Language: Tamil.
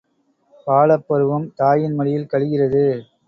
பாலப் பருவம் தாயின் மடியில் கழிகிறது!